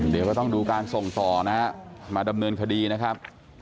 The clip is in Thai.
เดี๋ยวก็ต้องดูการส่งต่อนะฮะมาดำเนินคดีนะครับ